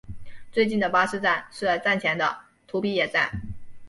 最近的巴士站是站前的土笔野站。